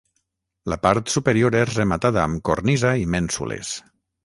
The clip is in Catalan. La part superior és rematada amb cornisa i mènsules.